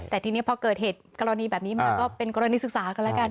แต่ทีนี้พอเกิดเหตุกรณีแบบนี้มันก็เป็นกรณีศึกษากันแล้วกัน